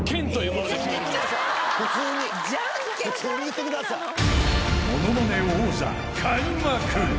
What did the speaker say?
［『ものまね王座』開幕］